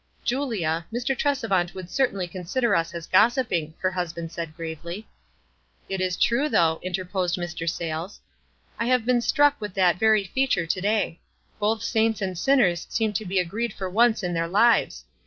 "Julia, Mr. Trcsevant would certainly con sider us as gossiping," her husband said, gravely. "It is true, though," interposed Mr. Sayles. "I have been struck with that veiy feature to day ; both saints and sinners seem to be agreed for once in their lives.